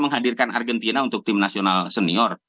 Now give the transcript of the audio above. menghadirkan argentina untuk tim nasional senior